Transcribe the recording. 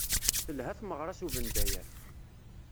Telha tmeɣra s ubendayer.